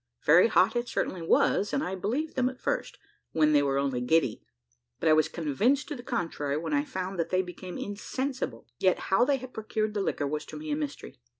Very hot it certainly was, and I believed them at first, when they were only giddy; but I was convinced to the contrary, when I found that they became insensible; yet how they had procured the liquor was to me a mystery.